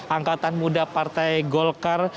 angkatan muda partai golkar